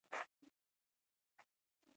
تبریز صیب، ضیا صیب او ایاز جان راغلي ول.